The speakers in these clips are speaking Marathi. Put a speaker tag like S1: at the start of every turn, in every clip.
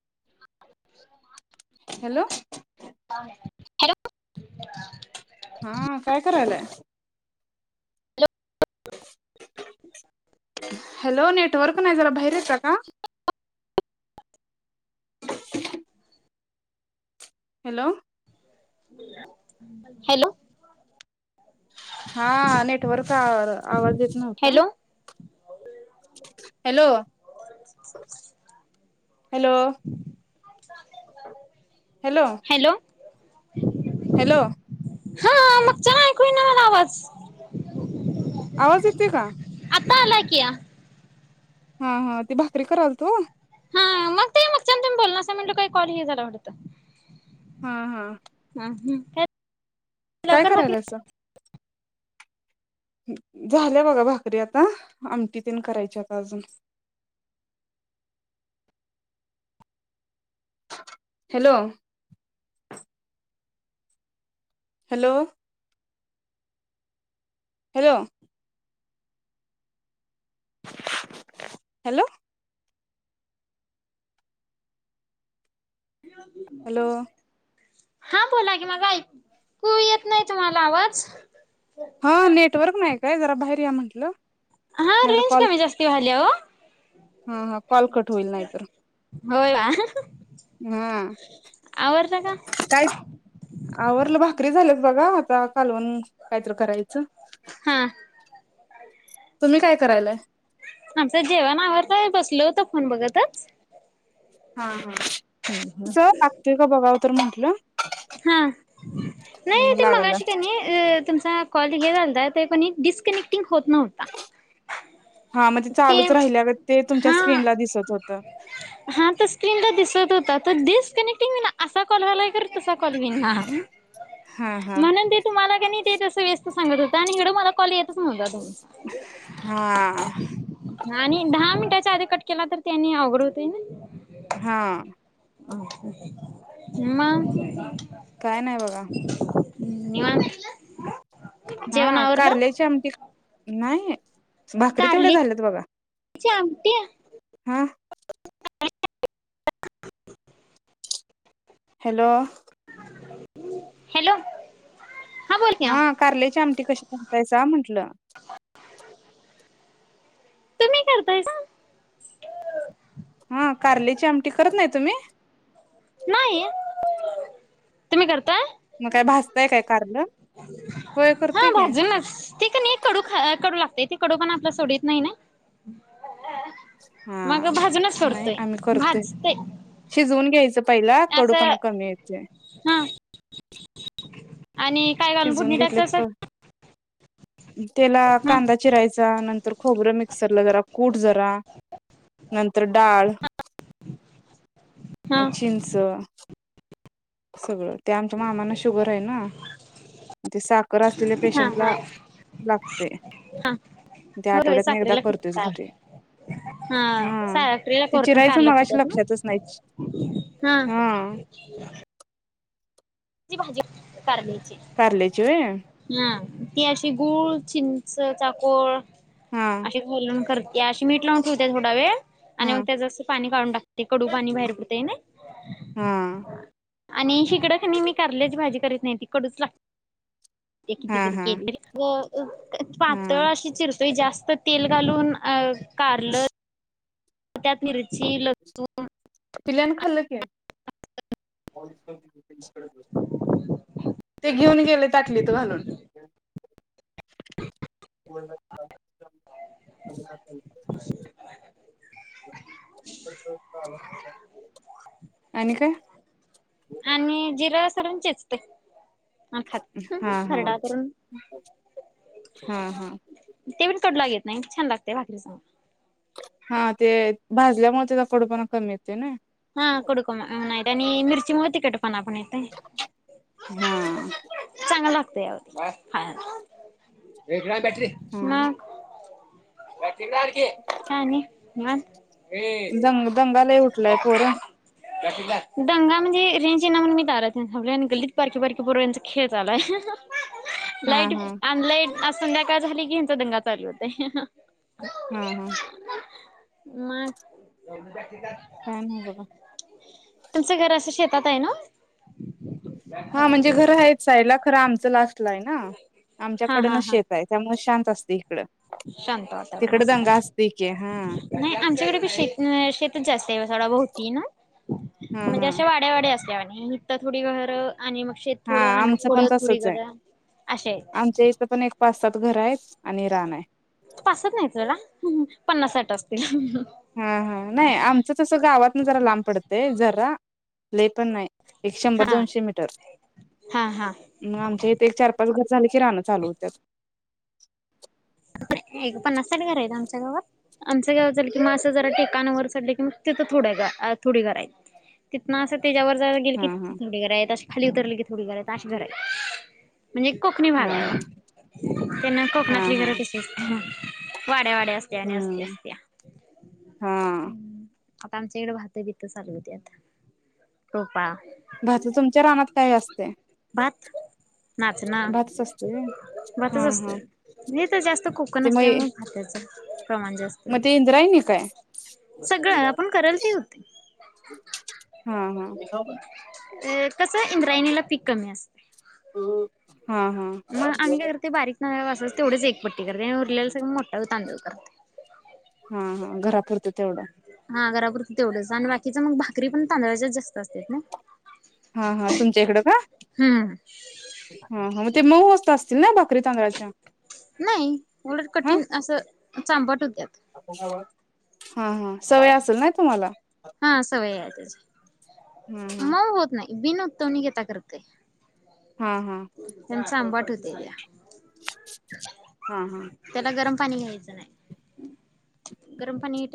S1: रिकामा ऑडिओ
S2: हॅलो
S1: [unintelligible]
S2: हं‌ काय करायलाय
S1: [inaudible] रिकामा ऑडिओ
S2: हॅलो नेटवर्क नाय जरा बाहेर येता का हेलो
S1: हॅलो
S2: हा नेटवर्क आ र आवाज येत नव्हता
S1: हॅलो
S2: हॅलो
S1: [inaudible]
S2: हॅलो हॅलो
S1: रिकामा ऑडिओ
S2: हॅलो
S1: हा मगच्यान ऐकू येई ना मला आवाज़
S2: आवाज येतेय का?
S1: तालायकिया
S2: हा हा ते भाकरी करालतो
S1: हं मग ते मग च्यान तुम्ही बोलनासा म्हनलं काय कॉल हे झाला वाटतं
S2: हा हा
S1: रिकामा ऑडिओ
S2: काय करायलासा झालं बघा भाकरी आता आमटी पण करायचीयत अजून हेलो हेलो हेलो हॅलो
S1: रिकामा ऑडिओ
S2: हॅलो
S1: हा बोला की माझ ऐकू येत नाय तुम्हाला आवाज
S2: हा नेटवर्क नाय काय जरा बाहेर या म्हटलं
S1: हा रेंज कमी जास्त व्हायलीया ओ
S2: हा हा कॉल कट होईल नाहीतर
S1: होय ना
S2: हा
S1: आवरल का?
S2: काय आवरल, भाकरी झालेत बघा आता कालवण कायतर करायचं?
S1: हा.
S2: तुम्ही काय करायलाय?
S1: आमचं जेवण, आवरतय बसलो होतो. फोन बघतच
S2: हां सह, लागतोय का बघावं तर म्हटलं. [unintelligible]
S1: हां नई ते
S2: लागला
S1: मगाशी कनई अ त्यांचा कॉल हे झालता तेपनी. डिस्कनेक्टिंग होत नव्हता.
S2: हां मंजे
S1: ते
S2: चालूच राहिल्यागत ते तुमच्या
S1: हा
S2: स्क्रीन ला दिसत होत.
S1: [inaudible] तो डिस्कनेक्टिंग हुयना असा कॉल व्हायलाय [unintelligible] कॉल व्हीना
S2: हा हा
S1: म्हणून ते तुम्हाला किनाई ते तस व्यस्त सांगत होता आणि इकडं मला कॉल येतच नव्हता
S2: हा
S1: हां आणि दहा मिनिटे तुमच्या आधी कट केला तर त्यांनी अवघड होतय नई
S2: हां
S1: मंग [inaudible]
S2: काय नाय बघा
S1: निवांत जेवण
S2: हां
S1: आवरलं?
S2: कारल्याची आमटी न्हाई भाकरी तेवढी झालेत बघा
S1: ची आमटी
S2: हां
S1: [inaudible]
S2: हॅलो
S1: हॅलो हा बोल की
S2: हां कारल्याची आमटी कशी करतायसा म्हटलं
S1: [inaudible] तुम्हीं करतायसा
S2: हां कारल्याची आमटी करत नाही तुम्हीं?
S1: नाई तुम्ही कर काय?
S2: मग काय भाजताय काय कारलं होय
S1: हां
S2: करतोय की
S1: भाजूनच ते किनई कडू खा कडू लागतय. ती कडुपणा आपला सोडीत नाही नाय
S2: हा नाही. आम्ही करतोय
S1: भाजतय
S2: शिजवुन घ्यायच. पहिला कडूपणा
S1: असं
S2: कमी येतोय.
S1: हा आणि काय घालुन
S2: शिजवून
S1: फोडणी
S2: घेतलं
S1: टाकताय.
S2: की त्याला कांदा चिरायचा. नंतर खोबर मिक्सरला जरा, कुट जरा, नंतर डाळ
S1: हा
S2: मग चिंच सगळ ते, आमच्या मामांना शुगर आहे. ना ती साखर असलेल्या
S1: हा
S2: पेशंटला
S1: हा
S2: लागतय.
S1: हा
S2: ते
S1: होय होय
S2: आठवड्यातून एकदा
S1: साखरेला खात
S2: करतोयच. घरी
S1: कारलं
S2: हा
S1: साखरेला
S2: ते
S1: कोरटून
S2: चिरायच
S1: कारलं
S2: मगाशी
S1: खातात ना
S2: लक्षातच नाही हा,
S1: ती भाजी आण. कारल्याची
S2: कारल्याची होय
S1: हा ती अशी गुळ, चिंचेचा कोळ
S2: हा
S1: अशी घालून करतात. ती अशी मीठ लावून ठेवत्यात. थोड्यावेळ, आणि मग
S2: हा
S1: त्याच अस, पाणी काढून टाकत. कडू पाणी बाहेर पडतय, नी
S2: हा
S1: आणि ही हिकड, कनई मी त्याजी भाजी करायची नाही ती कडूच लाग ते किती,
S2: हा
S1: जरी
S2: हा
S1: केले, ग [unintelligible] पातळ
S2: हा
S1: अशी चिर ते जास्त तेल घालून अं कारलं त्यात मिर
S2: पिल्यानं खाल्ल की, ते घेऊन गेले, ताटलीत घालून [unintelligible] आणि काय
S1: आणि जिर असत. इकडे आण चेचते. अन खातो,
S2: हा
S1: खरडा करून
S2: हम्म हम्म
S1: तिखट लागत नाही. छान लागतय भाकरी सोबत
S2: हा ते भाजल्यामुळे त्याचा कडुपणा कमी येतोय.
S1: हा कडूपणा कमी न मिर्चीमुळ तिखटपणा पण येतय,
S2: हा
S1: चांगल.
S2: हा.
S1: [unintelligible] मग [unintelligible]
S2: दंग दंगा लय उठलाय? पोरं?
S1: दंगा म्हणजे रेंज येईना म्हणून मी दारात येऊन थांबलोय आणि गल्लीत बारक्या बारक्या पोरांचा खेळ चालू आहे.
S2: हा
S1: लाईट
S2: हा
S1: आणलंय. आज संध्याकाळ झाली की ह्यांचा दंगा चालू होतोय.
S2: हं हं
S1: [unintelligible]
S2: काय नाही बघा.
S1: तुमचं घर असं शेतात आहे ना?
S2: हा म्हणजे घर आहे साईडला पण आमचं तुमचं लास्ट ला आहे ना?
S1: हा
S2: आमच्याकडे
S1: हा हा
S2: शेत आहे त्यामुळे शांत असतं.
S1: शांत वातावरण
S2: असते की हा
S1: असतंय नाही आमच्याकडे शेतच जास्त आहे सोडा भवतीने
S2: हा हा.
S1: असं वाड्या वाड्या असल्यावाणी आणि इथं थोडी घरं आणि मग शेत
S2: हां
S1: थोडं आणि मग
S2: आमचं पण
S1: पुढं थोडी
S2: तसंच हाय
S1: अशे आहेत
S2: आमच्याइथं पण एक पाच सात घरं आहेत आणि रान आहे.
S1: पासष्ठ नाही सोडा पन्नास साठ असतील.
S2: हम्म हम्म नाय आमचं तसं गावातनं जरा लांब पडतंय जरा लय पण नाय एक शंभर
S1: हा.
S2: दोनशे मीटर
S1: हा हा
S2: मग आमच्या इथं एक चार पाच घर झाले की रानं चालू होतात. [inaudible]
S1: पन्नास साठ घरं आहेत आमच्या गावात आमचं गाव झालं की माणसं जरा टेकाणावर चढली की तिथं थोडं अं थोडी घरं आहेत तिथनं असं
S2: हा हा.
S1: [unintelligible] खाली उतरलं की थोडी घरं आहेत अशी घरं आहेत. म्हणजे कोकणी
S2: हा
S1: भाग आहे
S2: हा
S1: ओ त्याने
S2: हा
S1: कोकणातली
S2: हा
S1: घरं कशी? वाड्या वाड्या असल्यावानी वस्ती
S2: हम्म
S1: असत्या.
S2: हा
S1: आता आमच्या इथं भात बितं चालू होतात टोपा
S2: भात तुमच्या रानात काय असतंय?
S1: भात नाचणा
S2: भातच असते होय
S1: भातच
S2: हा हा
S1: असतोय मी तर जास्त कोकण
S2: ते मग
S1: असल्यामुळे खातेच.
S2: मग ते इंद्रायणी काय
S1: सगळं आपण करल ते होतंय.
S2: हां हां
S1: अ कसं इंद्रायणीला पीक कमी असते
S2: हा
S1: मग आम्ही काय करतोय असं बारीक हम्म असंच तेवढीच एक पट्टी करते उरलेला सगळा मोठ्ठा तांदूळ करते.
S2: हा हा घरापुरतं तेवढं
S1: हा घरा पुरतं तेवढंच आणि बाकी तिथं मंग भाकरी पण तांदळाच्याच जास्त असत्यात नं हम्म
S2: अंहं ते मऊ होत असतील नाय बा
S1: नाही उलट
S2: हा
S1: कठीण असं चांबट होत्यात
S2: हंहं सवय असल नाही तुम्हाला?
S1: हं सवय आहे त्याची
S2: हा
S1: मऊ होत नाही [unintelligible]
S2: हा हा
S1: चांबट [inaudible]
S2: हंहं
S1: [unintelligible] गरम पानी येत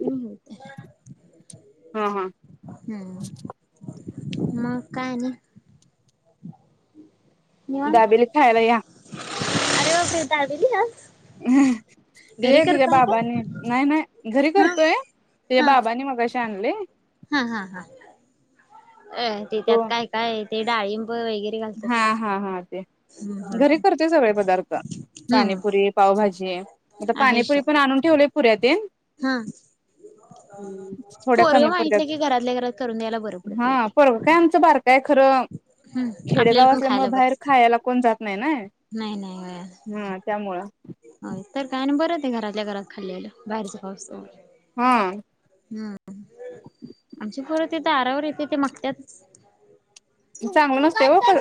S1: की नाही?
S2: हा हा
S1: हम्म मग काय आनी [inaudible]
S2: दाबेली खायला या.
S1: अरे बापरे दाबेली आज
S2: अं ए तुझ्या
S1: का
S2: बाबांनी नाही नाही घरी
S1: हा
S2: करतोय तुझ्या बाबांनी मघाशी [unintelligible]
S1: हं हं हं अय तेच्यात काय काय है हे डाळींब
S2: हां हां ते घरी करते सगळे पदार्थ
S1: हम्म
S2: पानीपुरी पावभाजी आता
S1: आहेशा
S2: पानीपुरी पन आनून ठेवलीत पुऱ्या तिन
S1: हा
S2: थोड्या
S1: पोरगं
S2: कमी पडत्यात
S1: मागितलं की घरातल्या घरात करून द्यायला बरं पडतं
S2: हं
S1: इथे
S2: पोरगं काय आमचं बारक हाय खरं
S1: हम्म आपल्याला पण खायला
S2: खेडेगावातल्यामुळं बाहेर
S1: बरंच
S2: खायला कोण जात नाही ना हं त्यामुळं
S1: हं तर काय आनी बरं ते घरातल्या घरात खाल्लेल बाहेरच खाऊस्तोवर
S2: हं
S1: आमची पोरं ते दारावर येत ते मागत्यात
S2: चांगलं नसतय वो ते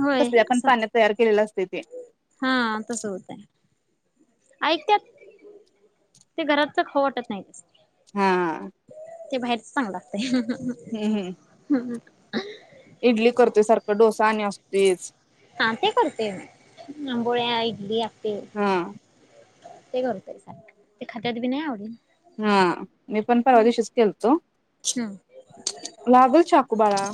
S1: होय
S2: कसल्या पन
S1: असं
S2: पान्यात तयार केलेल असतंय ते
S1: हा तसं होतय ऐकत्यात ते घराच खाऊ वाटत नाही.
S2: हा
S1: ते बाहेरच चागलं लागतंय ह ह ह
S2: हम्म.
S1: हम्म हा हा [inaudible]
S2: इडली करतोय सारख डोसा आणि असतोयच
S1: हा काय करते मी आंबोळ्या, इडल्या
S2: हा
S1: [unintelligible] ते खातात बी नाय आवडली
S2: हा मी पण परवा दिवशीच केलतो
S1: हम्म
S2: लागल चाकू बाळा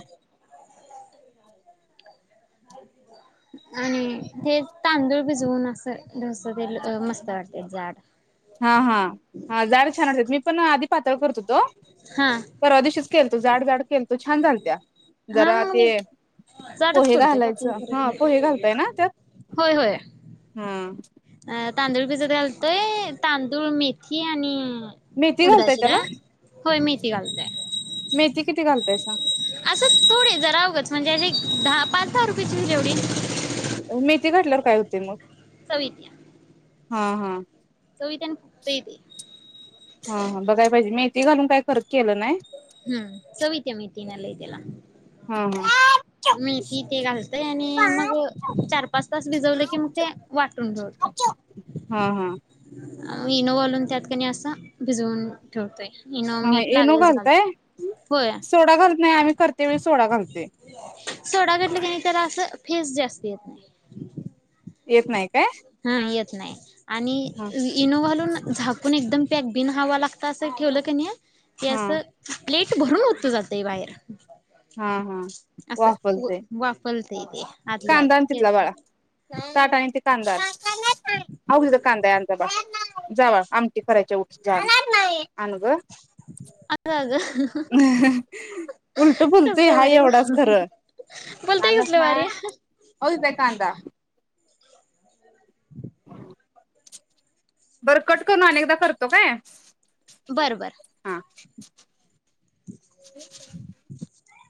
S1: आणि हेच तांदूळ भिजून अस डोसा केल मस्त वाटतय जाड.
S2: हा हा हा जाड छान वाटतात मी पण आधी पातळ करत तो
S1: हा
S2: परवादिवशीच केलंत जाड जाड केलंत छान झालत्या
S1: हा
S2: जरा
S1: मग
S2: ते
S1: मी जाडच
S2: पोहे
S1: करतोय
S2: घालायच
S1: पातळ करत
S2: हा
S1: नाही
S2: पोहे घालताय ना त्यात
S1: होय होय
S2: हा..
S1: अ तांदूळ भिजत घालतोय तांदूळ मेथी आणि
S2: मेथी घालताय
S1: उडदाची
S2: त्याला
S1: डाळ होय मेथी घालतोय
S2: मेथी किती घालतायसा?
S1: असच थोडी जरा उगच म्हणजे एवढी दहा पाच दहा रुपयाची म्हणजे एवढी...
S2: मेथी घातल्यावर काय होते मग?
S1: [unintelligible]
S2: हा हा
S1: चव येती न येती
S2: ते घालून काय परत केल नाय...
S1: हम्म चव येते मेथी ने लय त्याला ह
S2: हा हा
S1: मेथी ते घालताय आणि मग चार पाच तास भिजवल की मग ते वाटून ठेवतंय.
S2: हा हा
S1: अ इनो घालून त्यातक नाय अस भिजवून ठेवतोय. इनो
S2: हा
S1: मीठ
S2: इनो
S1: लागलच घालतोय
S2: घालताय
S1: होय
S2: सोडा घालत नाही आम्ही करत्यावेळेस सोडा घालतोय
S1: अस फेस जास्ती येत नाय
S2: येत नाहीत
S1: हा येत..... नाय.... आणि
S2: हा
S1: इनो घालून झाक....... पण एकदम पॅक बिन हवा लागता अस ठेवल की नाइ हे
S2: हा
S1: अस... लईच भरून उतु जातय, बाहेर
S2: आहा
S1: असं
S2: वाफलतय
S1: वाफलतंय ते आतल्या आत.
S2: कांदा आन तिथला
S1: तेच ना.
S2: बाळा ताट अन् ते कांदा आण. जाणार नाही आव तिथं कादा हाय आन, जा जा बाळा जावा आमटी करायची उठ जा जाणार नाही. आन ग हा
S1: असं अगं
S2: हा उठ ते
S1: कसलं
S2: आहे
S1: भारी
S2: एवढेच खरं
S1: बोलताय
S2: आणत
S1: कसलं
S2: नाय
S1: भारी.
S2: होय दे कांदा बर कट कर आणि करतोय काय
S1: बर बर
S2: [unintelligible]
S1: [unintelligible]